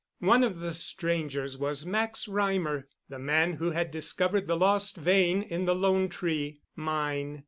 One of the strangers was Max Reimer, the man who had discovered the lost vein in the "Lone Tree" mine.